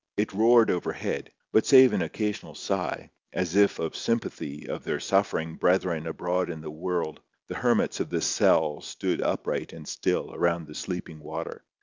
It roared overhead, but, save an occasional sigh, as if of sympathy with their suffering brethren abroad in the woild, the hermits of this cell stood upright and still around the sleeping water.